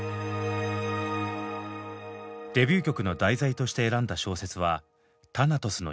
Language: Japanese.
デビュー曲の題材として選んだ小説は「タナトスの誘惑」。